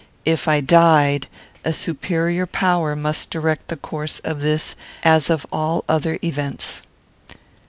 If I died, a superior power must direct the course of this as of all other events.